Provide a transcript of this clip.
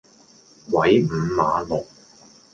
鬼五馬六